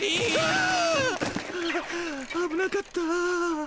あぶなかった。